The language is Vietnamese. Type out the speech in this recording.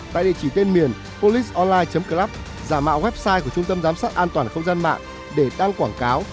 tại địa chỉ tên miền policeonline club giả mạo website của trung tâm giám sát an toàn không gian mạng để đăng quảng cáo